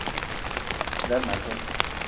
Lerma a zeen.